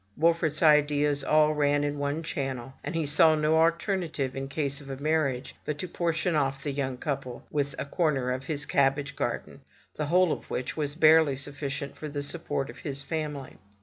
Wolfert's ideas all ran in one channel; and he saw no alternative in case of a marriage but to portion off the young couple with a corner of his cabbage garden, the whole of which was barely sufficient for the support of his family.